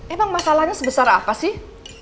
emang masalahnya sebesar apa sih